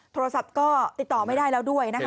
โทรศัพท์ก็ติดต่อไม่ได้แล้วด้วยนะคะ